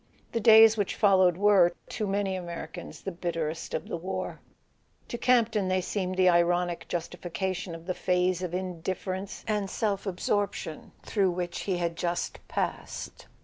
The days which followed were, to many Americans, the bitterest of the war: to Campton they seemed the ironic justification of the phase of indifference and self ab¬ sorption through which he had just passed.